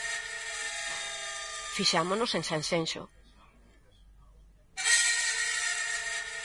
Fixámonos en Sanxenxo.